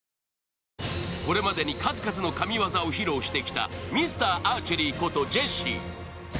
これまでに数々の神業を披露してきたミスターアーチェリーことジェシー。